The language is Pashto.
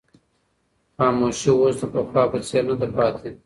خاموشي اوس د پخوا په څېر نه ده پاتې.